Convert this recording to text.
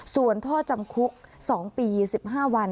ส่วนโทษจำคุก๒ปี๑๕วัน